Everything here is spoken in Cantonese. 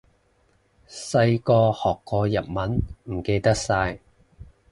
細個學過日文，唔記得晒